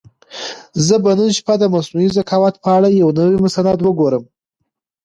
زه به نن شپه د مصنوعي ذکاوت په اړه یو نوی مستند وګورم.